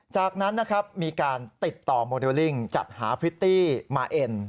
จากนั้นนะครับมีการติดต่อโมเดลลิ่งจัดหาพริตตี้มาเอ็น